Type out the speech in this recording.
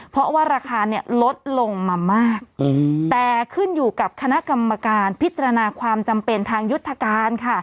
เพราะว่าราคาเนี่ยลดลงมามากแต่ขึ้นอยู่กับคณะกรรมการพิจารณาความจำเป็นทางยุทธการค่ะ